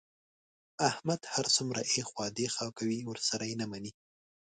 احمد هر څومره ایخوا دیخوا کوي، ورسره یې نه مني.